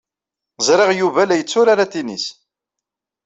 Ẓriɣ Yuba la yetturar atennis.